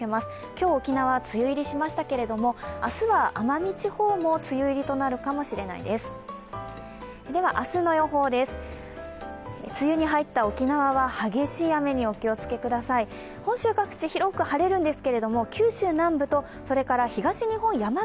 今日沖縄、梅雨入りしましたけれども明日は奄美地方も梅雨入りとなるかもしれないです。